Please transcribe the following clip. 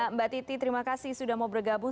mbak titi terima kasih sudah mau bergabung